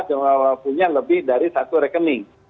jualan wawah punya lebih dari satu rekening